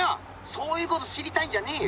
そういうこと知りたいんじゃねえよ！